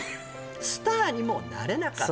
「スターにもなれなかった」